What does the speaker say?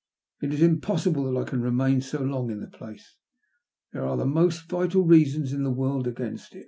It is impossible that I can remain so long in the place. There are the most vital reasons in the world against it.